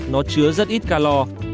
nó chứa rất ít calor